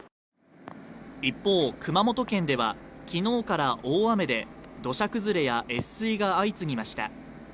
一方、熊本県では昨日から大雨で土砂崩れや越水が相次ぎました。